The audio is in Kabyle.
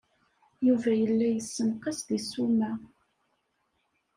Yuba yella yessenqas deg ssuma.